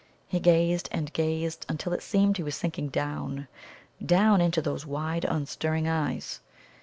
He gazed and gazed, until it seemed he was sinking down, down into those wide unstirring eyes.